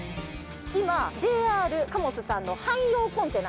今ＪＲ貨物さんの汎用コンテナ